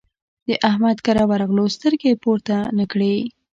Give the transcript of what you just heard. د احمد کره ورغلو؛ سترګې يې پورته نه کړې.